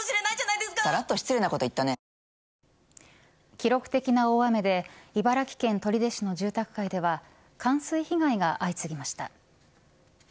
記録的な大雨で茨城県取手市の住宅街では冠水被害が相次ぎました。